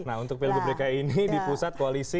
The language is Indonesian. nah untuk pilgub dki ini di pusat koalisi